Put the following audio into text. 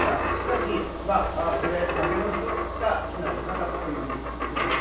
しかし、それだけの人しか避難しなかったというふうに言っていました。